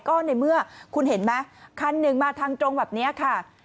ก็ในเมื่อคุณเห็นไหมคันหนึ่งมาทางตรงแบบนี้ค่ะ